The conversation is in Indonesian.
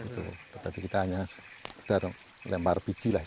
tapi kita hanya lempar biji lah